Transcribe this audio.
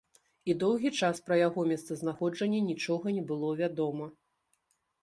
І доўгі час пра яго месцазнаходжанне нічога не было вядома.